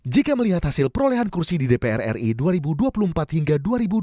jika melihat hasil perolehan kursi di dpr ri dua ribu dua puluh empat hingga dua ribu dua puluh